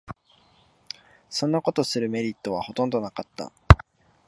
そんなことするメリットはほとんどなかった